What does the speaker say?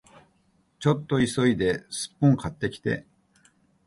ちょっと急いでスッポン買ってきて